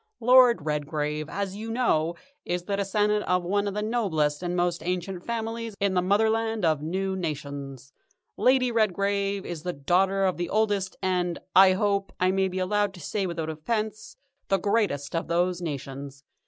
Lord Redgrave, as you know, is the descendant of one of the noblest and most ancient families in the Motherland of New Nations. Lady Redgrave is the daughter of the oldest and, I hope I may be allowed to say without offence, the greatest of those nations.